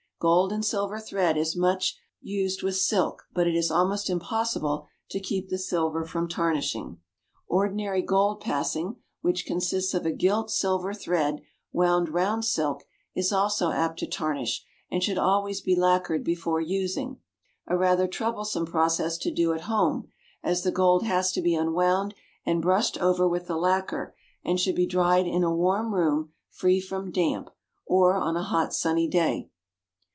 Gold and silver thread is much used with silk, but it is almost impossible to keep the silver from tarnishing. Ordinary "gold passing," which consists of a gilt silver thread wound round silk, is also apt to tarnish, and should always be lacquered before using a rather troublesome process to do at home, as the gold has to be unwound and brushed over with the lacquer, and should be dried in a warm room free from damp, or on a hot sunny day.